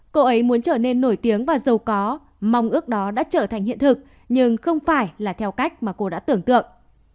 cô ấy muốn trở nên nổi tiếng và giàu có mong ước đó đã trở thành hiện thực nhưng không phải là theo cách mà cô đã tưởng tượng